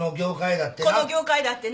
この業界だってな。